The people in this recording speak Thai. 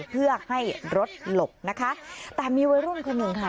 เพื่อให้รถหลบนะคะแต่มีวัยรุ่นคนหนึ่งค่ะ